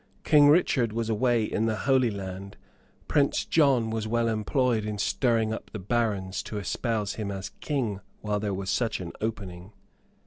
King Richard was away in the Holy Land. Prince John was well employed in stirring up the barons to espouse him as King while there was such an opening.